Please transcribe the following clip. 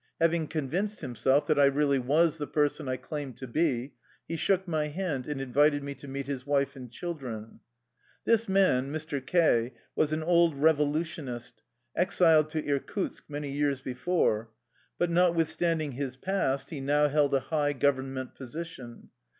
Having convinced himself that I really was the person I claimed to be, he shook my hand and invited me to meet his wife and children. This man, Mr. К , was an old revolutionist, exiled to Irkutsk many years before. But not withstanding his "past'' he now held a high Government position.